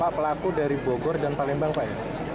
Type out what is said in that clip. pak pelaku dari bogor dan palembang pak ya